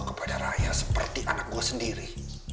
kepada raya seperti anak gue sendiri